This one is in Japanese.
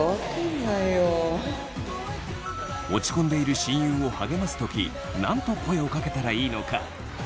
落ち込んでいる親友を励ます時何と声をかけたらいいのか？